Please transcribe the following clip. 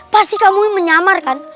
pasti kamu menyamar kan